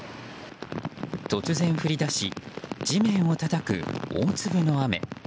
突然降り出し、地面をたたく大粒の雨。